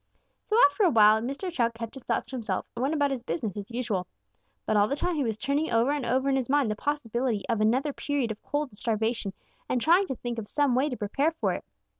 "So after a while Mr. Chuck kept his thoughts to himself and went about his business as usual. But all the time he was turning over and over in his mind the possibility of another period of cold and starvation and trying to think of some way to prepare for it.